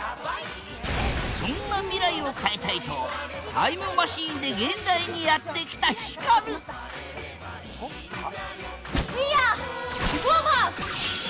そんな未来を変えたいとタイムマシーンで現代にやって来たヒカルウィーアーリフォーマーズ！